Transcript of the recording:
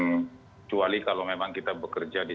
kecuali kalau memang kita bekerja di